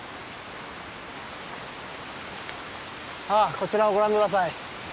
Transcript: こちらをご覧下さい。